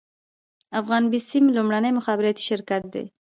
افغان بیسیم لومړنی مخابراتي شرکت دی